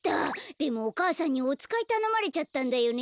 でもお母さんにおつかいたのまれちゃったんだよね。